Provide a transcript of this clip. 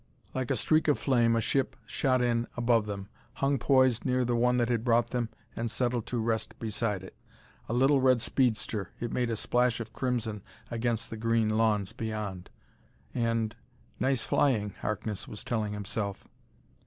Like a streak of flame a ship shot in above them; hung poised near the one that had brought them and settled to rest beside it. A little red speedster, it made a splash of crimson against the green lawns beyond. And, "Nice flying," Harkness was telling himself.